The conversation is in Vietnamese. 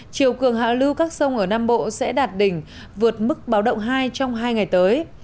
chiều cường hạ lưu các sông ở nam bộ sẽ đạt đỉnh vượt mức báo động hai trong hai ngày tới